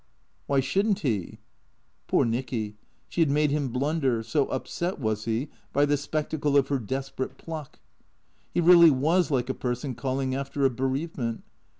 "Why shouldn't he?" Poor Nicky, she had made him blunder, so upset was he by the spectacle of her desperate pluck. He really was like a person calling after a bereavement.